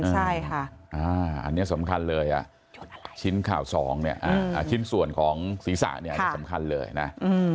ใช่ค่ะอันนี้สำคัญเลยชิ้นข่าวสองชิ้นส่วนของศีรษะนี่สำคัญเลยนะ